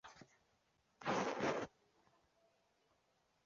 唐朝武德四年复为越州。